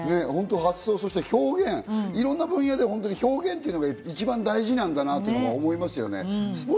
発想、そして表現、いろんな分野で表現というのが一番大事なんだなと思いますよね。